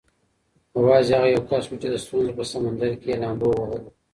یوازې هغه یو کس و چې د ستونزو په سمندر کې یې لامبو ووهله.